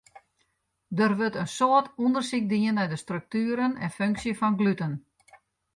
Der wurdt in soad ûndersyk dien nei de struktueren en funksje fan gluten.